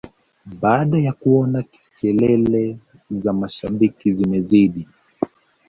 baada ya kuona kelele za mashabiki zimezidi